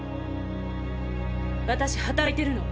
私働いてるの。